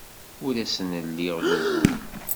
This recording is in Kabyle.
Ur asen-lliɣ d ugur.